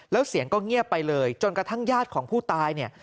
แล้วเสียงก็เงียบไปเลยจนกระทั่งญาติของผู้ตายเนี่ย